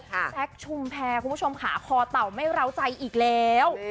แซคชุมแพรคุณผู้ชมค่ะคอเต่าไม่เล้าใจอีกแล้ว